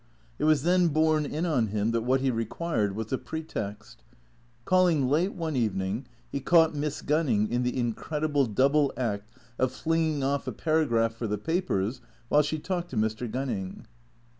It was then borne in on him that what he required was a pretext. Calling late one evening he caught Miss Gunning in the incredible double act of flinging off a paragraph for the papers while she talked to Mr. Gunning.